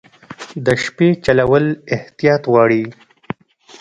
د شپې چلول احتیاط غواړي.